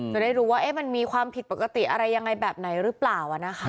จะได้รู้ว่ามันมีความผิดปกติอะไรยังไงแบบไหนหรือเปล่านะคะ